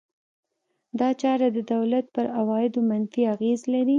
دا چاره د دولت پر عوایدو منفي اغېز لري.